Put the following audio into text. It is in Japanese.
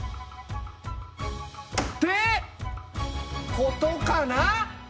ってことかな？